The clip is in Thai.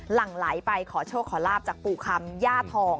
หลังไหลไปขอโชคขอลาบจากปู่คำย่าทอง